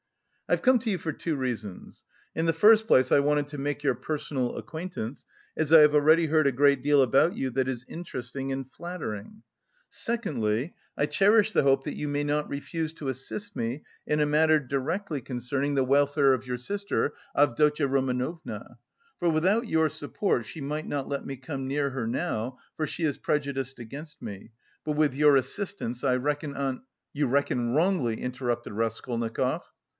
"I've come to you for two reasons. In the first place, I wanted to make your personal acquaintance, as I have already heard a great deal about you that is interesting and flattering; secondly, I cherish the hope that you may not refuse to assist me in a matter directly concerning the welfare of your sister, Avdotya Romanovna. For without your support she might not let me come near her now, for she is prejudiced against me, but with your assistance I reckon on..." "You reckon wrongly," interrupted Raskolnikov.